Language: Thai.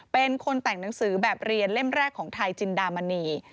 เป็นคนแต่งหนังสือแบบเรียนเล่มแรกของไทยจินดามณี